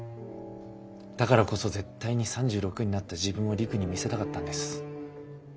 だからこそ絶対に３６になった自分を璃久に見せたかったんです。